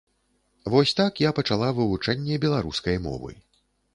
Вось так я пачала вывучэнне беларускай мовы.